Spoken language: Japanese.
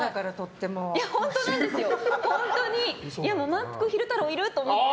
まんぷく昼太郎いる！と思って。